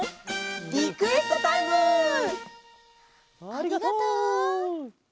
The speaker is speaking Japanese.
ありがとう。